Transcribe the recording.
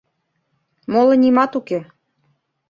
Моло нимат уке.